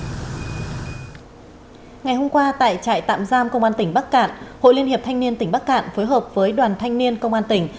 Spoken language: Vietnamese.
ngày hôm qua tại trại tạm giam công an tỉnh bắc cạn hội liên hiệp thanh niên tỉnh bắc cạn phối hợp với đoàn thanh niên công an tỉnh